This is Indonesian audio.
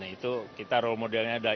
itu kita role modelnya adalah